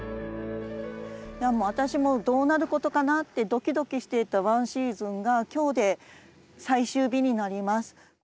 私もどうなることかなってドキドキしていた１シーズンが今日で最終日になります。